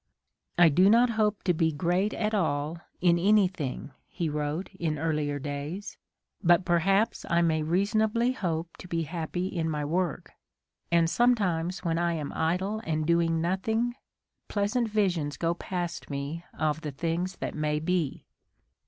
"I do not hope to be great at all in anything," he wrote in A DAY WITH WILLIAM MORRIS. earlier days, "but perhaps I may reasonably hope to be happy in my work : and sometimes when I am idle and doing nothing, pleasant visions go past me of the things that may be."